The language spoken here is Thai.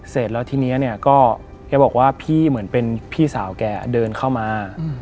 เสร็จแล้วทีนี้เนี่ยก็แกบอกว่าพี่เหมือนเป็นพี่สาวแกเดินเข้ามา